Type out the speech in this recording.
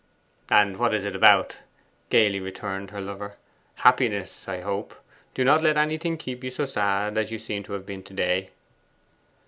'And what is it about?' gaily returned her lover. 'Happiness, I hope. Do not let anything keep you so sad as you seem to have been to day.